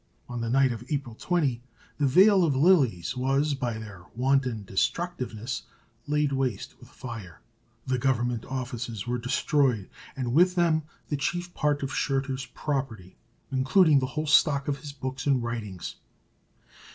On the night of April 20, the Vale of Lilies was, by their wanton destructiveness, laid waste with fire; the Government offices were destroyed, and with them the chief part of Schröter's property, including the whole stock of his books and writings.